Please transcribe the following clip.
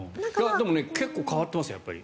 でも結構変わってますよ。